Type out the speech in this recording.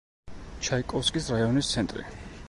ჩაიკოვსკის რაიონის ცენტრი.